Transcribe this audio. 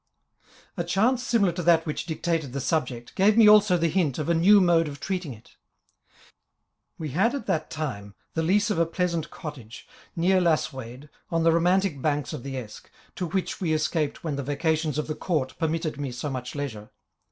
, A chance similar to that which dictated the subject, gave me also the hint of a new mode of treating it. We had at that time the lease of a pleasant cottage, near Ijasswade, on the romantic banks of the Esk, to which we escaped when the vacations of the Court permitted me so much leisure.